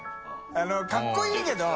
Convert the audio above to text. かっこいいけど。